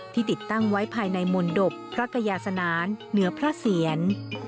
ติดตั้งไว้ภายในมนตบพระกยาสนานเหนือพระเสียร